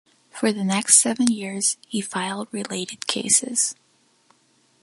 For the next seven years he filed related cases.